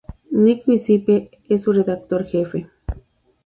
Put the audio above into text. Nick Gillespie es su redactor jefe.